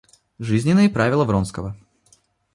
Жизненные правила Вронского.